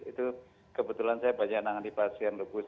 itu kebetulan saya banyak nangani pasien lupus